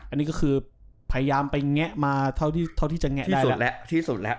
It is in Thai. อันนี้ก็คือพยายามไปแงะมาเท่าที่จะแงะได้ที่สุดและ